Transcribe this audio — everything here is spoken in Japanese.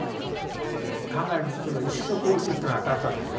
考える意志の行為としての明るさですよ